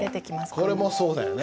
これもそうだよね。